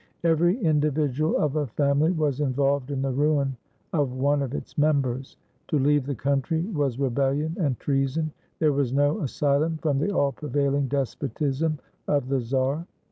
Every individual of a family was involved in the ruin of one of its members. To leave the country was rebellion and treason : there was no asy lum from the all prevailing despotism of the czar.